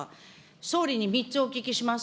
総理に３つお聞きします。